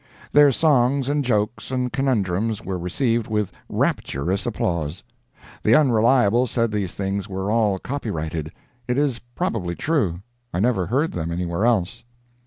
Their songs, and jokes, and conundrums were received with rapturous applause. The Unreliable said these things were all copyrighted; it is probably true—I never heard them anywhere else.